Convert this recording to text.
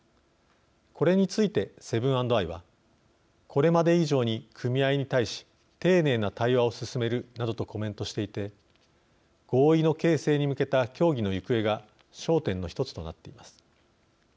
これについてセブン＆アイは「これまで以上に組合に対し丁寧な対話を進める」などとコメントしていて合意の形成に向けた協議の行方が焦点の１つとなっています。